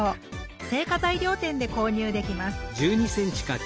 製菓材料店で購入できます。